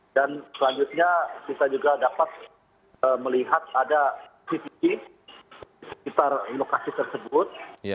dan selanjutnya kita juga dapat melihat ada cctv di sekitar lokasi tersebut